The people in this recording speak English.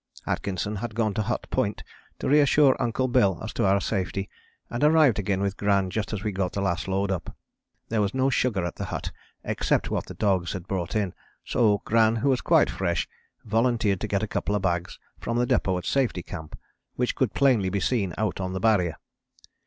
Atkinson had gone to Hut Point to reassure Uncle Bill as to our safety and arrived again with Gran just as we got the last load up. There was no sugar at the hut except what the dogs had brought in, so Gran, who was quite fresh, volunteered to get a couple of bags from the depôt at Safety Camp, which could plainly be seen out on the Barrier.